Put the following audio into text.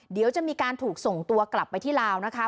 เดี๋ยวจะมีการถูกส่งตัวกลับไปที่ลาวนะคะ